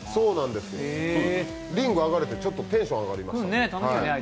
リング上がれてテンション上がりました。